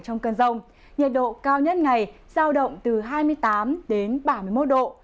trong cơn rông nhiệt độ cao nhất ngày giao động từ hai mươi tám đến ba mươi một độ